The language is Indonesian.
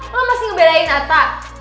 lo masih ngebedain ata